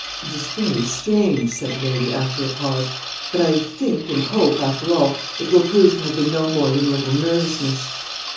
"It is very strange," said the lady, after a pause; "but, I think, and hope, after all, it will prove to have been no more than a little nervousness."